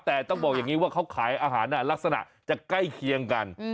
แต่ต้องบอกอย่างนี้ว่าเขาขายอาหารลักษณะจะใกล้เคียงกัน